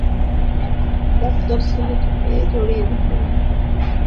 নিজাম সাহেব ডাক্তার ছেলেটিকে জড়িয়ে ধরলেন।